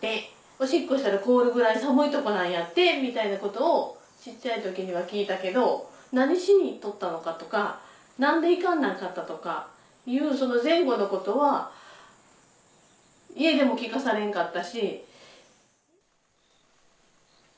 おしっこしたら凍るぐらい寒いとこなんやってみたいなことを小っちゃい時には聞いたけど何しに行っとったのかとか何で行かなあかんかったのかとかいうその前後のことは家でも聞かされんかったし。